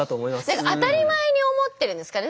何か当たり前に思ってるんですかね。